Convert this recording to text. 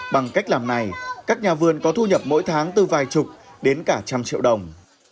bằng cách làm này các nhà vườn có thu nhập mỗi tháng từ vài chục đến cả trăm triệu đồng